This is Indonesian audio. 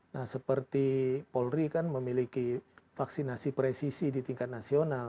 nah seperti polri kan memiliki vaksinasi presisi di tingkat nasional